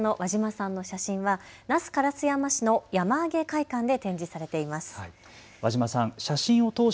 ご紹介した写真家の和嶋さんの写真は那須烏山市の山あげ会館で展示されています。